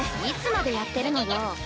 いつまでやってるのよ。